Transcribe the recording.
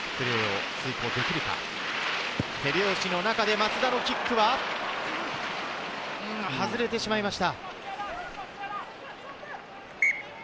手拍子の中で松田のキックは外れてしまいました。